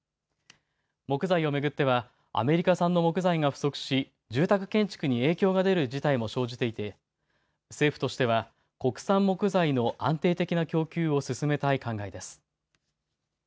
木材を巡ってはアメリカ産の木材が不足し、住宅建築に影響が出る事態も生じていて政府としては国産木材の安定的な供給を進めたい考えです。